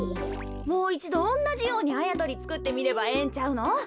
もういちどおんなじようにあやとりつくってみればええんちゃうの？